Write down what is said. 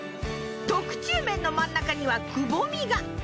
特注麺の真ん中にはくぼみが。